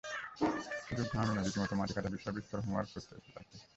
শুধু ঘামই নয়, রীতিমতো মাটি কাটা বিষয়ে বিস্তর হোমওয়ার্ক করতে হয়েছে তাঁকে।